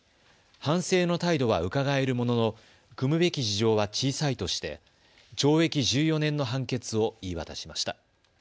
反省の態度はうかがえるものの酌むべき事情は小さいとして懲役１４年の判決を言い渡しました。